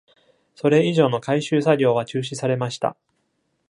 それ以上の回収作業は中止されました。